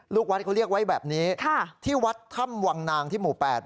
ลูกวัดเขาเรียกไว้แบบนี้ที่วัดถ้ำวังนางที่หมู่๘